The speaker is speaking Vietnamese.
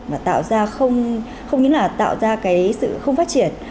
và tạo ra không những là tạo ra cái sự không phát triển